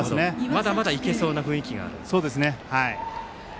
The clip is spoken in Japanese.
まだまだいけそうな雰囲気があると。